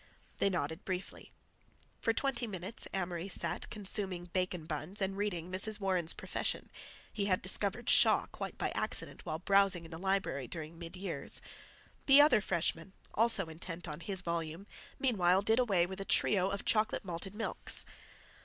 They nodded briefly. For twenty minutes Amory sat consuming bacon buns and reading "Mrs. Warren's Profession" (he had discovered Shaw quite by accident while browsing in the library during mid years); the other freshman, also intent on his volume, meanwhile did away with a trio of chocolate malted milks.